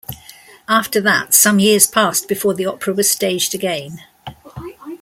After that some years passed before the opera was staged again.